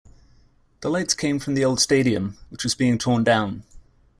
The lights came from the old stadium, which was being torn down.